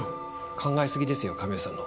考えすぎですよ亀井さんの。